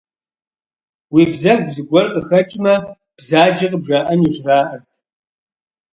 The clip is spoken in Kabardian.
Уи бзэгу зыгуэр къыхэкӏмэ, бзаджэ къыбжаӏэнущ, жаӏэрт.